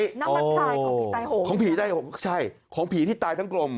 น้ำมันพลายของผีตายหกของผีตายหกใช่ของผีที่ตายทั้งกลม